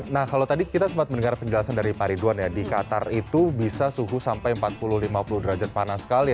nah kalau tadi kita sempat mendengar penjelasan dari pak ridwan ya di qatar itu bisa suhu sampai empat puluh lima puluh derajat panas sekali